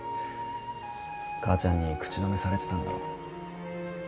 母ちゃんに口止めされてたんだろ。